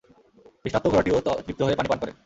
তৃষ্ণার্ত ঘোড়াটিও তৃপ্ত হয়ে পানি পান করে।